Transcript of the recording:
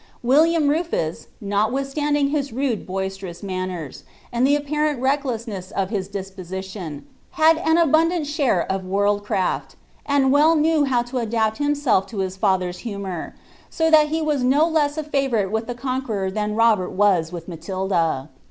William Rufus, noiwith namling his rode, lioisi^roua manners, and the apparent recklessness of hi» disposition, had an abundant share of world craft, and well knew how to adapt himeelf (o his lather's humour, so that he was no less a Eirouriie with the Conqueror than Robert was with Matilda.